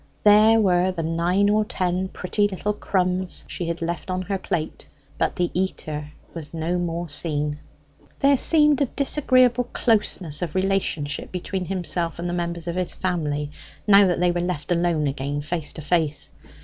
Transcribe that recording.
There were the nine or ten pretty little crumbs she had left on her plate; but the eater was no more seen. There seemed a disagreeable closeness of relationship between himself and the members of his family, now that they were left alone again face to face.